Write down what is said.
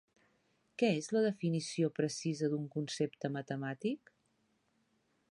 Què és la definició precisa d'un concepte matemàtic?